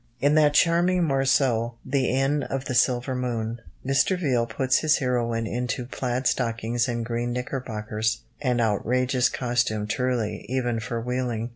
In that charming morceau, The Inn of the Silver Moon, Mr. Viele puts his heroine into plaid stockings and green knickerbockers an outrageous costume truly, even for wheeling.